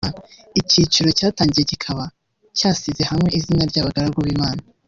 Icyiciro cyatangiye kikaba cyasize bahawe izina ry’abagaragu b’Imana